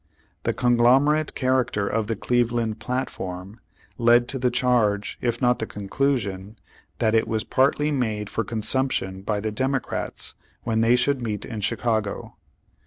The conglomerate character of the Cleveland platform, led to the charge, if not the conclu sion, that it was partly made for consumption by the Democrats when they should meet in Chicago.